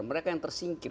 mereka yang tersingkir